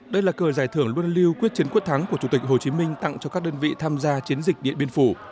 đây là cờ giải thưởng luôn lưu quyết chiến quyết thắng của chủ tịch hồ chí minh tặng cho các đơn vị tham gia chiến dịch điện biên phủ